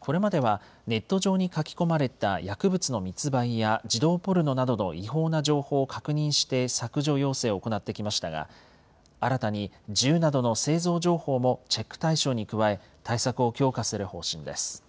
これまでは、ネット上に書き込まれた薬物の密売や、児童ポルノなどの違法な情報を確認して削除要請を行ってきましたが、新たに銃などの製造情報もチェック対象に加え、対策を強化する方針です。